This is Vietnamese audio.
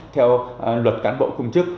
theo luật cán bộ công chức